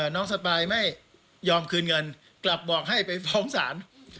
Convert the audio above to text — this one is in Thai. สปายไม่ยอมคืนเงินกลับบอกให้ไปฟ้องศาล